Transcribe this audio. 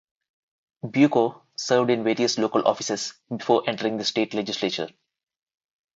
Bucco served in various local offices before entering the State Legislature.